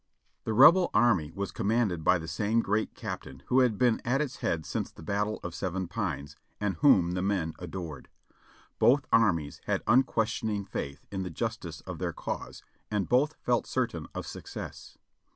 The Rebel army was commanded by the same great captain who had been at its head since the battle of Seven Pines, and whom the men adored. Both armies had unquestioning faith in the jus tice of their cause and both felt certain of success.